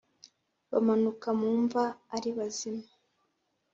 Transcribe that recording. Bamanuka mu mva ari bazima